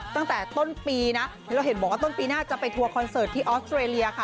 ตั้งแต่ต้นปีนะแล้วเห็นบอกว่าต้นปีหน้าจะไปทัวร์คอนเสิร์ตที่ออสเตรเลียค่ะ